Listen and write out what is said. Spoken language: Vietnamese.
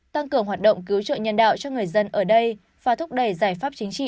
tăng cường hoạt động cứu trợ nhân đạo cho người dân ở đây và thúc đẩy giải pháp chính trị